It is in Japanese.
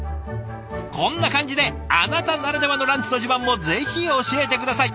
こんな感じであなたならではのランチの自慢もぜひ教えて下さい。